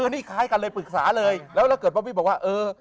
นี่คล้ายกันเลยปรึกษาเลยแล้วเกิดบอบบี้บอกว่าเออ